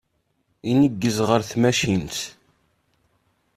Ineggez ɣer tmacint.